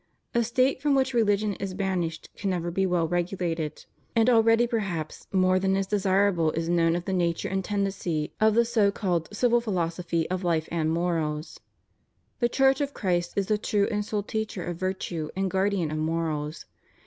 A State from which religion is banished can never be well regulated; and already perhaps more than is desirable is known of the nature and tendency of the so called civil philosophy of life and morals. The Church of Christ is the true and sole teacher of virtue and guardian of morals.